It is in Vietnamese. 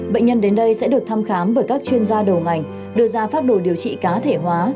bệnh nhân đến đây sẽ được thăm khám bởi các chuyên gia đầu ngành đưa ra pháp đồ điều trị cá thể hóa